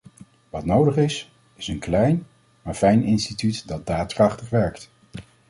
Wat nodig is, is een klein, maar fijn instituut dat daadkrachtig werkt.